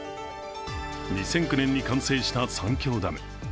２００９年に完成した三峡ダム。